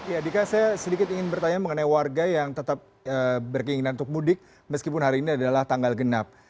ya dika saya sedikit ingin bertanya mengenai warga yang tetap berkeinginan untuk mudik meskipun hari ini adalah tanggal genap